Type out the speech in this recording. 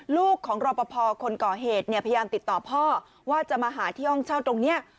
ลูกของรอปภคนก่อเหตุเนี่ยพยายามติดต่อพ่อว่าจะมาหาที่ห้องเช่าตรงนี้